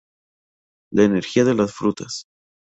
La energía de las frutas.